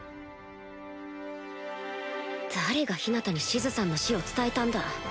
誰がヒナタにシズさんの死を伝えたんだ？